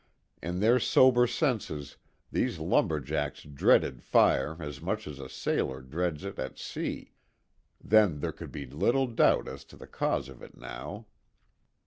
In their sober senses these lumber jacks dreaded fire as much as a sailor dreads it at sea, then there could be little doubt as to the cause of it now.